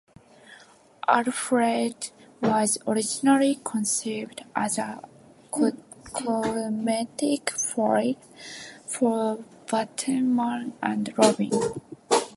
Alfred was originally conceived as a comedic foil for Batman and Robin.